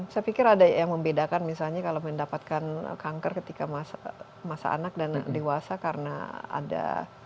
saya pikir ada yang membedakan misalnya kalau mendapatkan kanker ketika masa anak dan dewasa karena ada